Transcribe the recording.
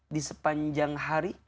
di sepanjang hari